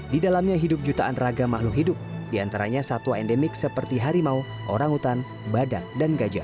di dalamnya hidup jutaan raga makhluk hidup diantaranya satwa endemik seperti harimau orang hutan badak dan gajah